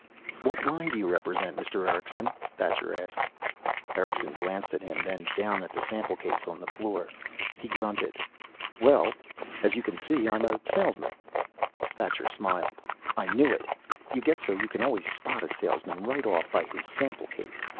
"What line do you represent, Mr. Erickson?" Thacher asked. Erickson glanced at him, then down at the sample case on the floor. He grunted. "Well, as you can see, I'm a salesman." Thacher smiled. "I knew it! You get so you can always spot a salesman right off by his sample case.